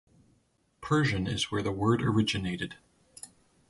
Persian is where the word originated.